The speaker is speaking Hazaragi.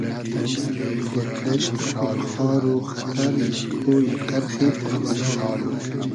یئگ دئشتۂ پور خار و خئتئر یئگ کۉیی قئرخی پور بئلا